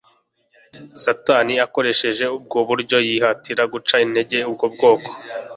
Satani akoresheje ubwo buryo yihatira guca intege ubwo bwoko